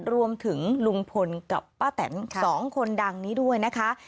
รวมถึงลุงพลกับป้าแตน๒คนดังนี้ด้วยนะคะ